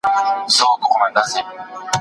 هو، باورونه د هیواد سره تړلي دي.